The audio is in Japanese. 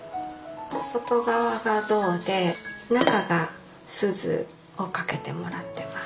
外側が銅で中がスズをかけてもらってます。